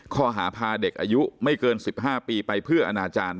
ข้อหาพาเด็กอายุไม่เกิน๑๕ปีไปเพื่ออนาจารย์